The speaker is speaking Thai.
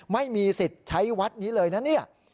ไม่มีสิทธิ์ใช้วัดนี้เลยนะเนี่ย